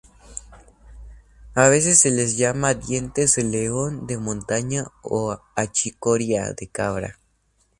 A veces se les llama dientes de león de montaña o achicoria de cabra.